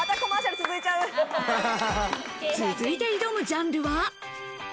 続いて挑むジャンルは。